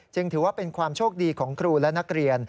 ถือว่าเป็นความโชคดีของครูและนักเรียน